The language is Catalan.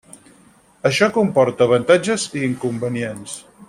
Això comporta avantatges i inconvenients.